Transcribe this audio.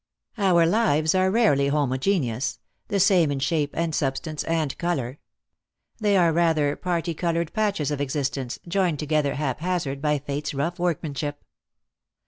Our lives are rarely homogeneous — the same in shape and substance and colour. They are rather particoloured patches of existence, joined together haphazard by Fate's rough work manship.